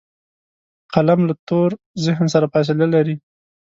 قلم له تور ذهن سره فاصله لري